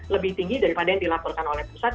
lebih tinggi daripada yang dilaporkan oleh pusat